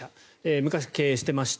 昔、経営してました。